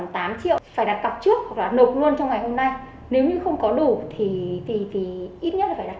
là phải đặt cặp trước và nộp luôn trong ngày hôm nay nếu như không có đủ thì thì thì ít nhất phải đặt